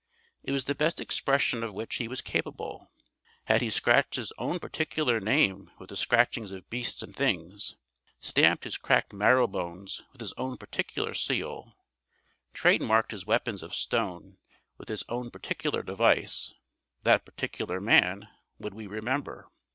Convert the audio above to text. It was the best expression of which he was capable. Had he scratched his own particular name with the scratchings of beasts and things, stamped his cracked marrowbones with his own particular seal, trade marked his weapons of stone with his own particular device, that particular man would we remember.